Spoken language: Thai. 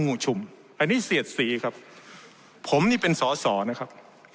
ู่ชุมอันนี้เสียดสีครับผมนี่เป็นสอสอนะครับ